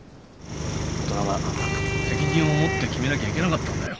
大人が責任を持って決めなきゃいけなかったんだよ。